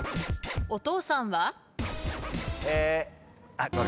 お父さんは？え。